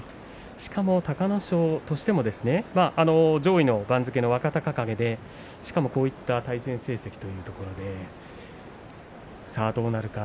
しかも隆の勝としても上位の番付の若隆景でしかもこういった対戦成績というところでどうなるか。